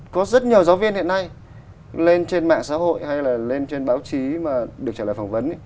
có rất nhiều giáo viên hiện nay lên trên mạng xã hội hay là lên trên báo chí mà được trả lời phỏng vấn